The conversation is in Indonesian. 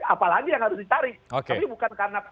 apalagi yang harus dicari tapi bukan karena